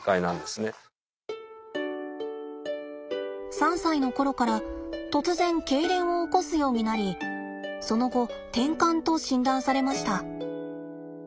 ３歳の頃から突然けいれんを起こすようになりその後てんかんと診断されました。